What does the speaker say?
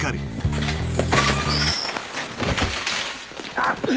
あっ。